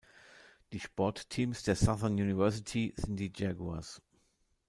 Die Sportteams der Southern University sind die "Jaguars".